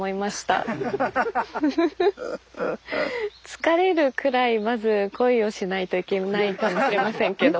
疲れるくらいまず恋をしないといけないかもしれませんけど。